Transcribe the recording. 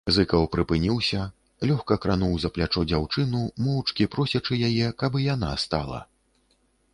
Зыкаў прыпыніўся, лёгка крануў за плячо дзяўчыну, моўчкі просячы яе, каб і яна стала.